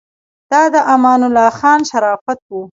دا د امان الله خان شرافت و.